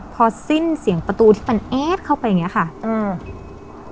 พอสิ้นเสียงประตูที่มันเอ๊ดเข้าไปอย่างเงี้ยค่ะอืม